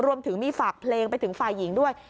รวมถึงมีฝากเพลงไปถึงฝ่ายหญิงด้วย